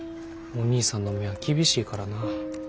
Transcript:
お義兄さんの目は厳しいからな。